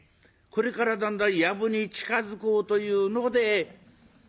これからだんだんやぶに近づこうというのでたけのこ医者」。